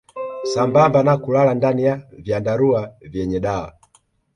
Sambamba na kulala ndani ya vyandarua vyenye dawa